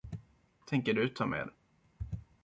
Tänker du ta med.